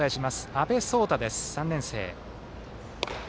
阿部颯太です、３年生。